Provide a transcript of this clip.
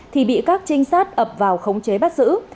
thì bị các trinh sát ập vào khống chế bắt giữ